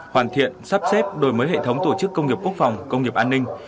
hoàn thiện sắp xếp đổi mới hệ thống tổ chức công nghiệp quốc phòng công nghiệp an ninh